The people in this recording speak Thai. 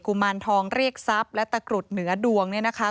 มารทองเรียกทรัพย์และตะกรุดเหนือดวงเนี่ยนะคะ